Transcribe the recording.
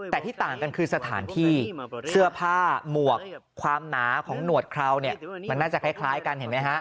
แต่ที่ต่างกันคือสถานที่เสื้อผ้าหมวกความหนาของหนวดเคราวเนี่ยมันน่าจะคล้ายกันเห็นไหมฮะ